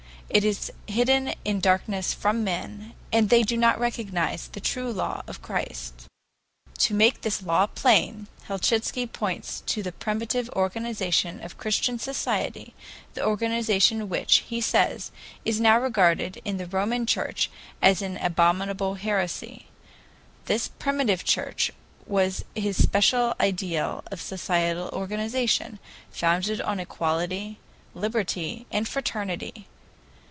It is hidden in darkness from men, and they do not recognize the true law of Christ. "To make this law plain, Helchitsky points to the primitive organization of Christian society the organization which, he says, is now regarded in the Roman Church as an abominable heresy. This Primitive Church was his special ideal of social organization, founded on equality, liberty, and fraternity.